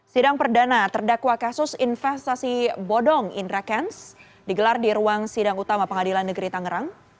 sidang perdana terdakwa kasus investasi bodong indra kents digelar di ruang sidang utama pengadilan negeri tangerang